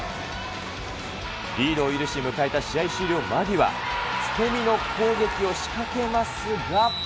リードを許し、迎えた試合終了間際、捨て身の攻撃を仕掛けますが。